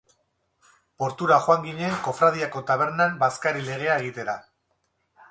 Portura joan ginen kofradiako tabernan bazkari legea egitera.